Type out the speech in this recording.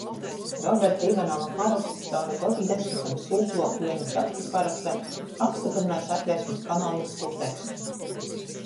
Roberta Ivanova paroksts cauri godu desmitem sūpluok Juoņa Čakstis parokstam apstyprynoj Satversmis kanoniskū tekstu.